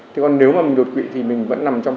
thế còn nếu mà mình đột quỵ thì mình vẫn nằm trong